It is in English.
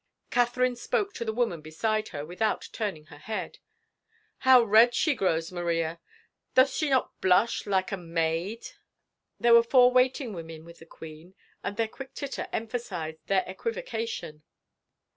Catherine spoke to the woman beside her, without turn ing her head. " How red she grows, Maria !... Doth she not blush like a maidf" There were four waiting women with the queen and their quick titter emphasized the equivocation.